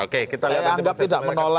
saya anggap tidak menolak lah